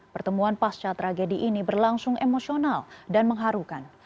pertemuan pasca tragedi ini berlangsung emosional dan mengharukan